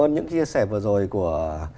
những chia sẻ vừa rồi của